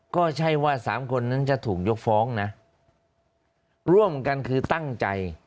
ก็ใช่ว่าสามคนนั้นจะถูกยกฟ้องนะร่วมกันคือตั้งใจ